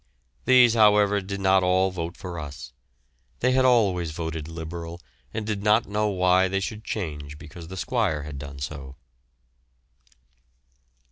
These, however, did not all vote for us. They had always voted Liberal and did not know why they should change because the squire had done so.